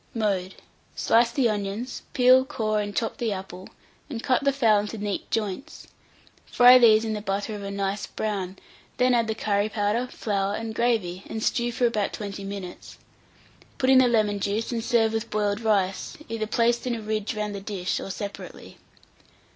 Mode. Slice the onions, peel, core, and chop the apple, and cut the fowl into neat joints; fry these in the butter of a nice brown; then add the curry powder, flour, and gravy, and stew for about 20 minutes. Put in the lemon juice, and serve with boiled rice, either placed in a ridge round the dish or separately.